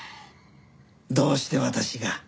どうして私が？